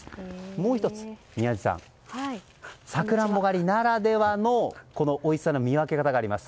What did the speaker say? もう１つ、宮司さんサクランボ狩りならではのおいしさの見分け方があります。